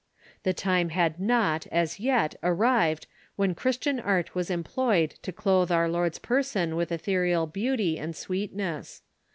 The time had not, as yet, arrived when Christian art was employed to clothe our Lord's person with ethereal beauty and sweetness.